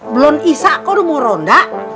belon isa kok udah mau ronda